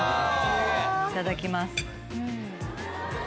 いただきます。